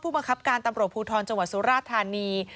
พ่อบังคับการตมภูทรจสุราฐรรณี